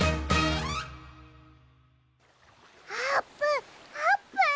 あーぷんあーぷん？